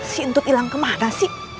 sintut hilang kemana sih